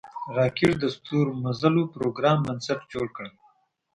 راکټ د ستورمزلو پروګرام بنسټ جوړ کړ